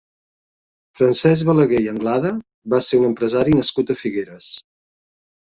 Francesc Balagué i Anglada va ser un empresari nascut a Figueres.